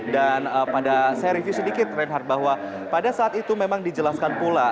dan pada saya review sedikit renhardt bahwa pada saat itu memang dijelaskan pula